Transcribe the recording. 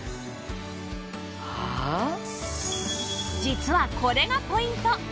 実はこれがポイント！